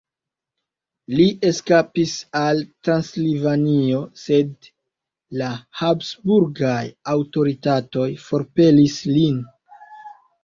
Li eskapis al Transilvanio, sed la habsburgaj aŭtoritatoj forpelis lin.